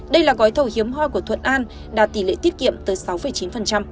đây là gói thầu hiếm hoi của thuận an đạt tỷ lệ tiết kiệm tới sáu chín